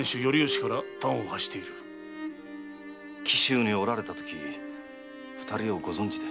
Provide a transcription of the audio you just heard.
紀州におられたとき二人をご存じで？